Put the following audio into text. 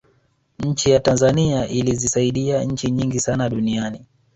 nchi ya tanzania ilizisaidia nchi nyingi sana duniani